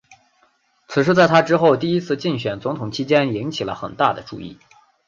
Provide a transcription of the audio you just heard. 此事在他之后第一次竞选总统期间引起了很大的注意。